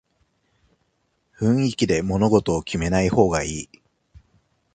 雰囲気で物事を決めない方がいい